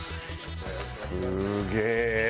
すげえ！